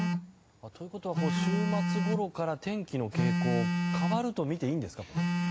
ということは週末ごろから天気の傾向が変わるとみていいんですか？